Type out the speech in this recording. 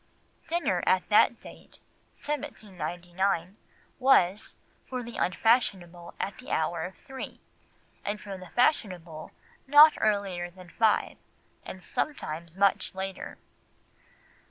Dinner at that date (1799) was, for the unfashionable, at the hour of three, and for the fashionable not earlier than five, and sometimes much later.